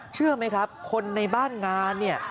เชื่อไหมครับคนในบ้านงานเนี่ย